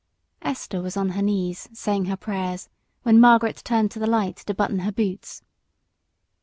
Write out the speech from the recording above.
Esther was on her knees saying her prayers when Margaret turned to the light to button her boots.